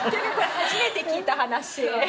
初めて聞いた話。